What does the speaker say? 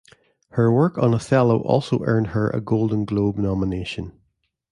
Her work on "Othello" also earned her a Golden Globe nomination.